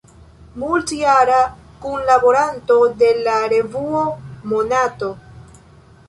Multjara kunlaboranto de la revuo "Monato".